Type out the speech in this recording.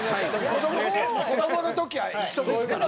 子どもの時は一緒ですから。